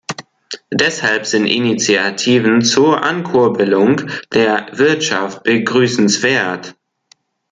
Deshalb sind Initiativen zur Ankurbelung der Wirtschaft begrüßenswert.